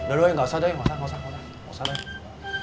doi doi gak usah doi gak usah